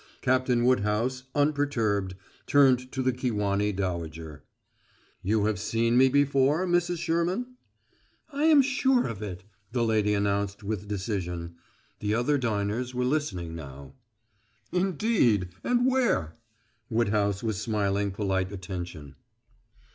Captain Woodhouse, unperturbed, turned to the Kewanee dowager. "You have seen me before, Mrs. Sherman?" "I am sure of it," the lady announced, with decision. The other diners were listening now. "Indeed! And where?" Woodhouse was smiling polite attention.